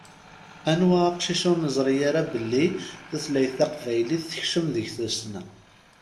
Anwa aqcic ur nezṛi ara belli tutlayt taqbaylit tekcem deg tussna.